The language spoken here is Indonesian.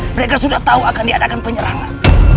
mereka sudah tahu akan diadakan penyerangan